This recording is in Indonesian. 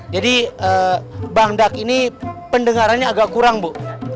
jadi bangdak ini pendengarannya agak kurang bu